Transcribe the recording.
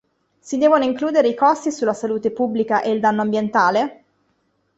Si devono includere i costi sulla salute pubblica e il danno ambientale?